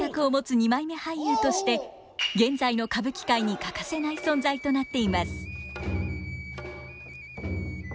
二枚目俳優として現在の歌舞伎界に欠かせない存在となっています。